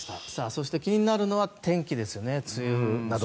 そして、気になるのは天気ですよね、梅雨。